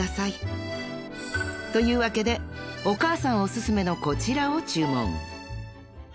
［というわけでお母さんオススメのこちらを注文］